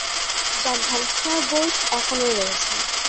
যার ধ্বংসাবশেষ এখনো রয়েছে।